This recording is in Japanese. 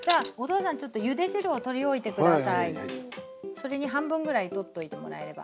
それに半分ぐらいとっといてもらえれば。